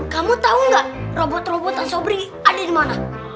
kamu tau gak robot robotan sobri ada dimana